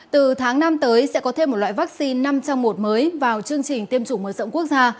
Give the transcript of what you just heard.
từ tháng năm tới sẽ có thêm một loại vaccine năm trong một mới vào chương trình tiêm chủng mở rộng quốc gia